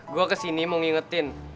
gua kesini mau ngingetin